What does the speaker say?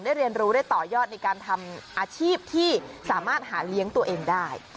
เรียนรู้ได้ต่อยอดในการทำอาชีพที่สามารถหาเลี้ยงตัวเองได้